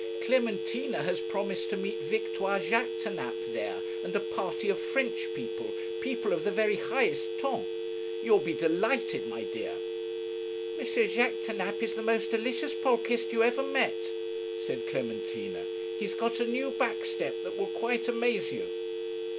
Clementina has promised to meet Victoire Jaquêtanápes there and a party of French people, people of the very highest ton. You'll be delighted, my dear.' 'M. Jaquêtanápes is the most delicious polkist you ever met,' said Clementina. 'He has got a new back step that will quite amaze you.'